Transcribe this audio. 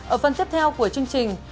ở phần tiếp theo của chương trình